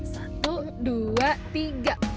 satu dua tiga